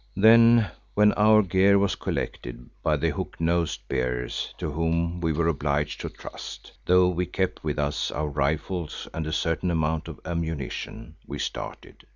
Then when our gear was collected by the hook nosed bearers to whom we were obliged to trust, though we kept with us our rifles and a certain amount of ammunition, we started.